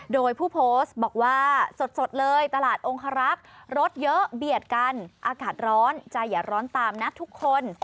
โดยผู้โพสต์บอกว่าสดเลยตลาดองคารักษ์รถเยอะเบียดกันอากาศร้อนใจอย่าร้อนตามนะทุกคน